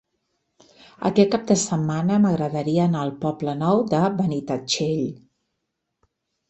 Aquest cap de setmana m'agradaria anar al Poble Nou de Benitatxell.